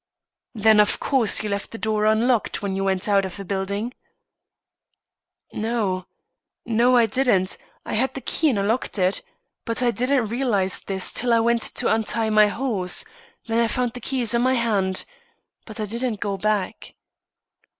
"Then, of course, you left the door unlocked when you went out of the building?" "No no, I didn't. I had the key and I locked it. But I didn't realise this till I went to untie my horse; then I found the keys in my hand. But I didn't go back."